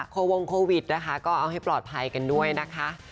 วงโควิดนะคะก็เอาให้ปลอดภัยกันด้วยนะคะ